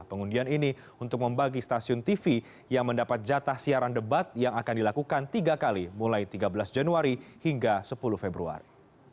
pengundian ini untuk membagi stasiun tv yang mendapat jatah siaran debat yang akan dilakukan tiga kali mulai tiga belas januari hingga sepuluh februari